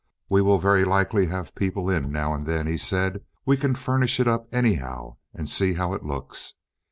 "We will very likely have people in now and then," he said. "We can furnish it up anyhow, and see how it looks."